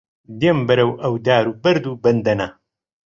دێم بەرەو ئەو دار و بەرد و بەندەنە